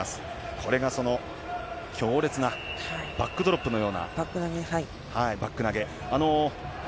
これがその強烈なバックドロップのようなバック投げ。